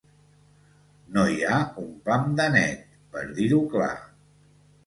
No hi ha un pam de net, per dir-ho clar